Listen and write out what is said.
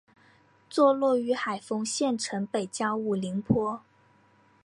坐落于海丰县城北郊五坡岭。